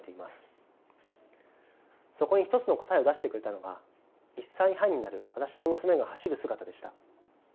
そこに一つの答えを出してくれたのが１歳半になる私の娘が走る姿でした。